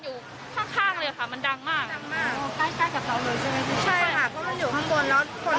ใช่ค่ะเพราะมันอยู่ข้างบน